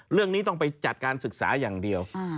เรื่องนี้ต้องไปจัดการศึกษาอย่างเดียว